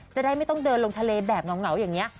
จะได้ไม่ต้องเดินลงทะเลแบบเหงาอย่างนี้